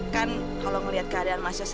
kan kalau ngeliat keadaan mas yos